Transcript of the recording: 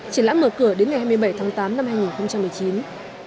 triển lãm mở cửa đến ngày hai mươi bảy tháng tám năm hai nghìn một mươi chín